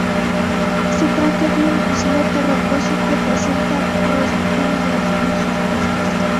Se trata de un islote rocoso que presenta restingas en sus costas.